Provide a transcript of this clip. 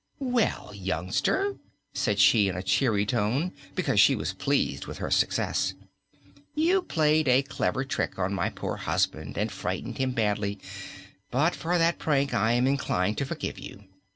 "Well, youngster," said she, in a cheerful tone because she was pleased with her success, "you played a clever trick on my poor husband and frightened him badly, but for that prank I am inclined to forgive you.